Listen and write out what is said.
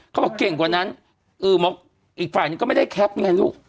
เขาบอกเก่งกว่านั้นอีกฝ่ายนึงก็ไม่ได้แคปไงลูก